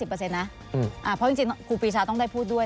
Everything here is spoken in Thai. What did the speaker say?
เพราะจริงครูปีชาต้องได้พูดด้วย